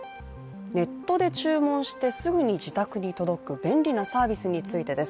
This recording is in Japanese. ネットで注文してすぐに自宅に届く便利なサービスについてです。